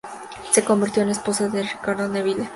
Se convirtió en la esposa de Ricardo Neville.